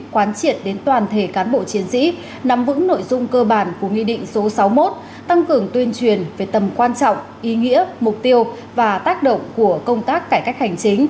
quán triệt đến toàn thể cán bộ chiến sĩ nắm vững nội dung cơ bản của nghị định số sáu mươi một tăng cường tuyên truyền về tầm quan trọng ý nghĩa mục tiêu và tác động của công tác cải cách hành chính